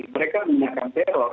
mereka menangkan teror